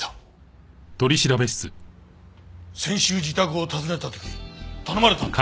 先週自宅を訪ねた時頼まれたんだ。